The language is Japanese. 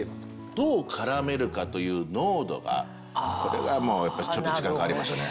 どう絡めるかという濃度がこれはもうちょっと時間かかりましたね。